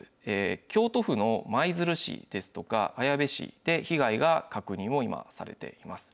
京都府の舞鶴市ですとか、綾部市で被害が確認を今、されています。